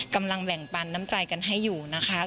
กำลังแบ่งปันน้ำใจกันให้อยู่นะคะ